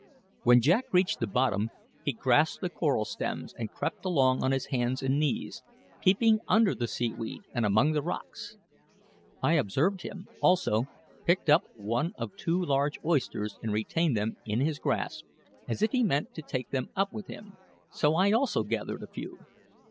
When Jack reached the bottom, he grasped the coral stems and crept along on his hands and knees, peeping under the seaweed and among the rocks. I observed him, also, pick up one or two large oysters and retain them in his grasp, as if he meant to take them up with him; so I also gathered a few.